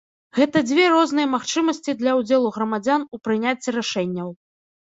Гэта дзве розныя магчымасці для ўдзелу грамадзян у прыняцці рашэнняў.